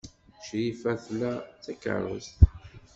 Crifa tla takeṛṛust.